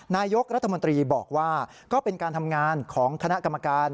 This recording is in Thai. นายกรัฐมนตรีบอกว่าก็เป็นการทำงานของคณะกรรมการ